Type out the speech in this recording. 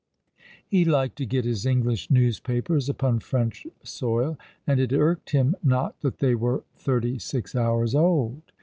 He liked to get his English newspapers upon French soil, and it irked him not that they were thirty six hours old.